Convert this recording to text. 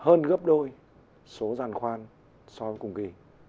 hơn gấp đôi số giàn khoan so với cùng kỳ